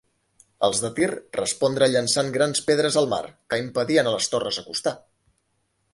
Els de Tir respondre llançant grans pedres al mar, que impedien a les torres acostar.